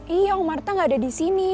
ih om marta gak ada disini